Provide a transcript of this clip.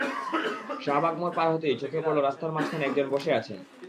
শাহবাগ মোড় পার হতেই চোখে পড়ল রাস্তার মাঝখানে একজন বসে আছেন।